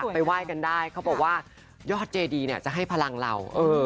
ไปไหว้กันได้เขาบอกว่ายอดเจดีเนี่ยจะให้พลังเรา